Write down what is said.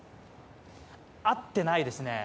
会ってないですね。